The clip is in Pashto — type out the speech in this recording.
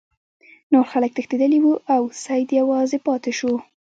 نور خلک تښتیدلي وو او سید یوازې پاتې شو.